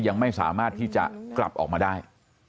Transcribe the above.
ยังไม่สามารถที่จะกลับออกมาได้